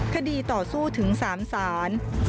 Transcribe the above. คดีต่อสู้ถึง๓ศาล